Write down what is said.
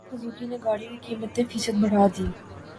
پاک سوزوکی نے گاڑیوں کی قیمتیں فیصد بڑھا دیں